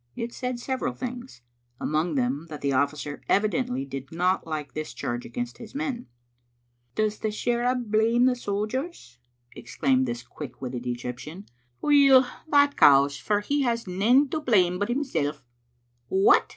It said several things, among them that the ojB&cer evidently did not like this charge against his men. " Does the shirra blame the sojers?" exclaimed this quick witted Egyptian. " Weel, that cows, for he has nane to blame but himseV." "What!"